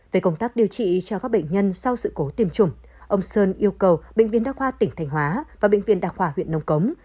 về công tác điều trị cho các bệnh nhân sau sự cố tiêm chủng ông sơn yêu cầu bệnh viện đa khoa tỉnh thành hóa và bệnh viện đa khoa huyện nông cống